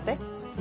何？